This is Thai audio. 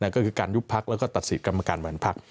ก็คือการยุบพักแล้วก็ตัดสิทธิ์กรรมการบริหารพัก